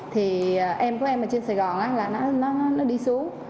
thì em của em ở trên sài gòn là nó đi xuống